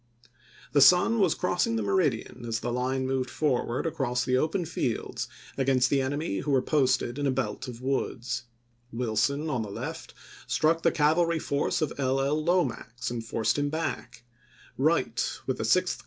The sun was crossing the meridian as the line moved forward across the open fields against the enemy who were posted in a belt of woods. Wilson, on the left, struck the cavalry force of L. L. Lorn ax SHEPJDAN IN THE SHENANDOAH 301 and forced him back ; Wright, with the Sixth ch.